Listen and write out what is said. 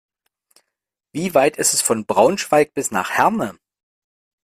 Wie weit ist es von Braunschweig bis nach Herne?